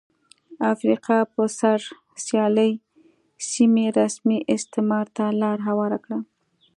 افریقا پر سر سیالۍ سیمې رسمي استعمار ته لار هواره کړه.